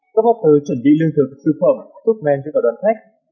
các hóa thơ chuẩn bị lương thực sư phẩm tốt men cho cả đoàn khách